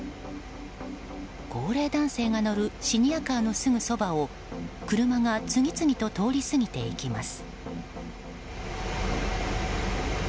高齢男性が乗るシニアカーのすぐそばを車が次々と通り過ぎていきます。